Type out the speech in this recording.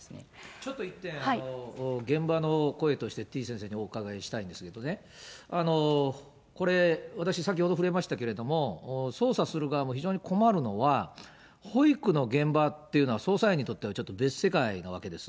ちょっと一点、現場の声として、てぃ先生にお伺いしたいんですけれどもね、これ、私、先ほど触れましたけれども、捜査する側も非常に困るのは、保育の現場っていうのは、捜査員にとってはちょっと別世界なわけです。